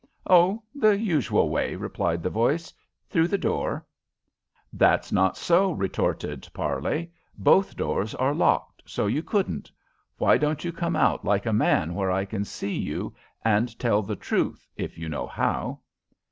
"Oh, the usual way," replied the voice "through the door." "That's not so," retorted Parley. "Both doors are locked, so you couldn't. Why don't you come out like a man where I can see you, and tell the truth, if you know how?"